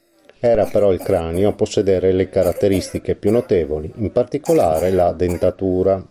Era però il cranio a possedere le caratteristiche più notevoli, in particolare la dentatura.